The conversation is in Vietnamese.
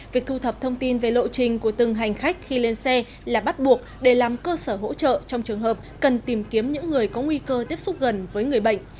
việc thu thập thông tin về lộ trình của từng hành khách khi lên xe là bắt buộc để làm cơ sở hỗ trợ trong trường hợp cần tìm kiếm những người có nguy cơ tiếp xúc gần với người bệnh